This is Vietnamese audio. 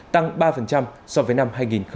tăng ba so với năm hai nghìn hai mươi